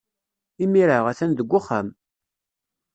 Imir-a, a-t-an deg uxxam.